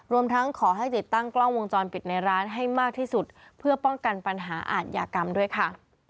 รวมทั้งขอให้ติดตั้งกล้องวงจรปิดในร้านให้มากที่สุดเพื่อป้องกันปัญหาอาทยากรรมด้วยค่ะ